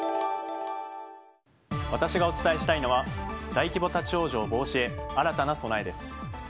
私がお伝えしたいのは大規模立ち往生防止へ新たな備えです。